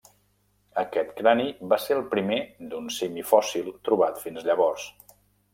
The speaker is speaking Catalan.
Aquest crani va ser el primer d'un simi fòssil trobat fins llavors.